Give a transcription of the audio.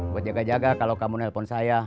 buat jaga jaga kalau kamu nelpon saya